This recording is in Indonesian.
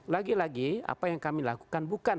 lagi lagi apa yang kami lakukan bukan